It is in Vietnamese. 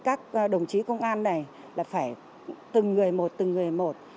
các đồng chí công an này là phải từng người một từng người một